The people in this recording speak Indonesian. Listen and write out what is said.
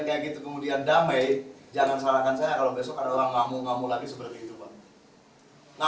kayak gitu kemudian damai jangan salahkan saya kalau besok ada orang ngamuk ngamuk lagi seperti itu bang nah